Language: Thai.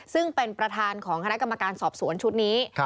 ซึ่งเป็นประธานของคณะกรรมการสอบสวนชุดนี้